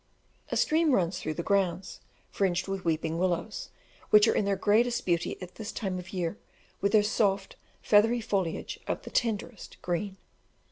A stream runs through the grounds, fringed with weeping willows, which are in their greatest beauty at this time of year, with their soft, feathery foliage of the tenderest green.